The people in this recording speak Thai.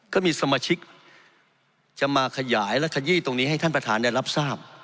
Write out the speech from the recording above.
ก็มีสมาชิกจะมาขยายและขยี้ตรงนี้ให้ท่านประธานได้รับทราบ